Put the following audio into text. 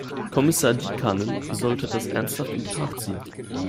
Kommissar Liikanen sollte das ernsthaft in Betracht ziehen.